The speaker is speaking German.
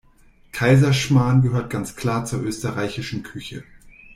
Kaiserschmarrn gehört ganz klar zur österreichischen Küche.